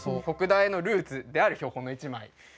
北大のルーツである標本の一枚。